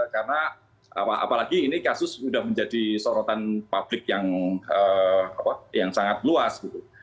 karena apalagi ini kasus sudah menjadi sorotan publik yang sangat luas